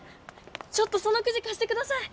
ちょっとそのクジかしてください。